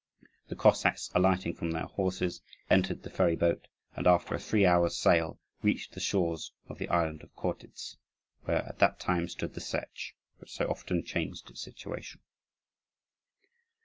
The Cossacks, alighting from their horses, entered the ferry boat, and after a three hours' sail reached the shores of the island of Khortitz, where at that time stood the Setch, which so often changed its situation.